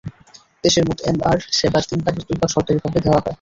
দেশের মোট এমআর সেবার তিন ভাগের দুই ভাগ সরকারিভাবে দেওয়া হয়।